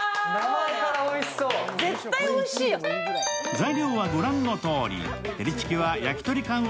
材料は、御覧のとおり。